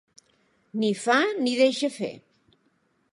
Ni fa, ni deixa fer.